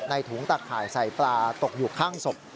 ถุงตะข่ายใส่ปลาตกอยู่ข้างศพ